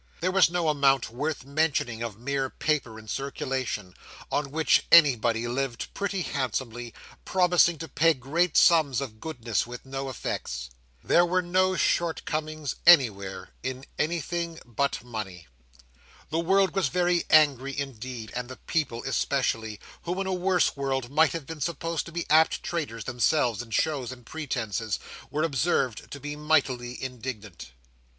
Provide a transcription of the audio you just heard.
There was no amount worth mentioning of mere paper in circulation, on which anybody lived pretty handsomely, promising to pay great sums of goodness with no effects. There were no shortcomings anywhere, in anything but money. The world was very angry indeed; and the people especially, who, in a worse world, might have been supposed to be apt traders themselves in shows and pretences, were observed to be mightily indignant.